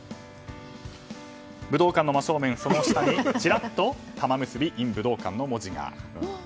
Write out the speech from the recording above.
武道館の真正面、その下にちらっとたまむすびｉｎ武道館の文字があります。